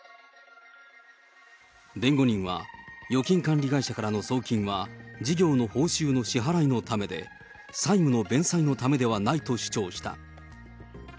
弁護人は、預金管理会社からの送金は事業の報酬の支払いのためで、債務の弁済のためではないと主張した。